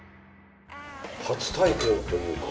初体験というか。